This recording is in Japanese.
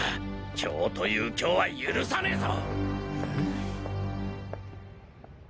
今日という今日は許さねえぞ！